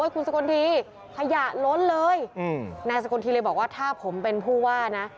คุณสกลทีขยะล้นเลยนายสกลทีเลยบอกว่าถ้าผมเป็นผู้ว่านะ